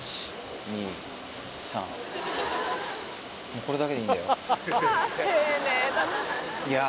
もうこれだけでいいんだよいや